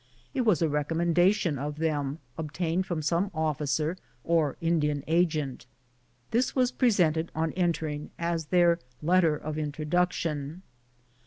It was a rec ommendation of them obtained from some officer or Indian agent. This was presented on entering, as their letter of introduction.